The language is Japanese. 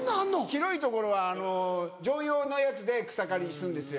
広い所は乗用のやつで草刈りすんですよ。